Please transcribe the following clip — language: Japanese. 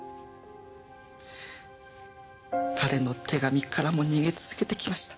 彼の手紙からも逃げ続けてきました。